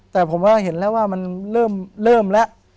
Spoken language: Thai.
แต่ผมว่าเห็นแล้วว่ามันเริ่มแล้ว